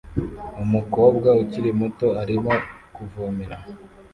Umukobwa ukiri muto arimo kuvomera